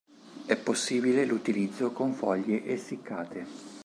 E possibile l'utilizzo con foglie essiccate.